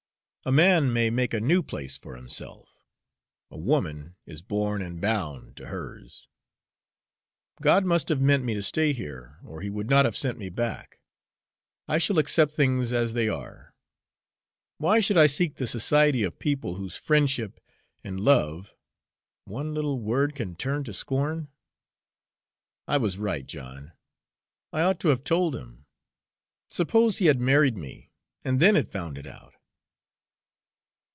A man may make a new place for himself a woman is born and bound to hers. God must have meant me to stay here, or He would not have sent me back. I shall accept things as they are. Why should I seek the society of people whose friendship and love one little word can turn to scorn? I was right, John; I ought to have told him. Suppose he had married me and then had found it out?"